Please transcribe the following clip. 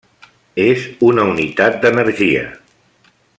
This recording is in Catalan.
És una unitat d'energia.